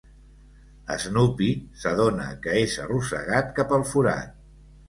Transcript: Snoopy s'adona que és arrossegat cap al forat.